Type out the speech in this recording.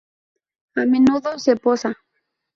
A menudo se posa.